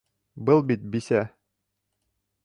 Был бит бисә!